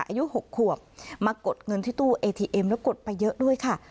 อายุ๖ขวบมากดเงินที่ตู้เอทีเอ็มแล้วกดไปเยอะด้วยค่ะ